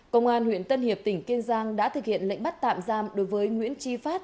công an huyện tân hiệp tỉnh kiên giang đã thực hiện lệnh bắt tạm giam đối với nguyễn chi phát